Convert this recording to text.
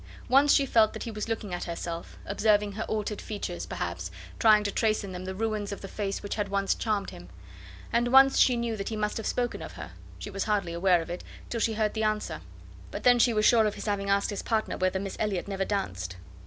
Once she felt that he was looking at herself, observing her altered features, perhaps, trying to trace in them the ruins of the face which had once charmed him; and once she knew that he must have spoken of her; she was hardly aware of it, till she heard the answer; but then she was sure of his having asked his partner whether Miss Elliot never danced?